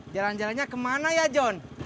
jalan jalannya kemana ya john